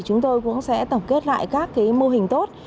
chúng tôi cũng sẽ tổng kết lại các mô hình tốt